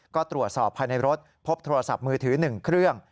ก็ตรวจสอบภายในรถพบโทรศัพท์มือถือ๑เครื่อง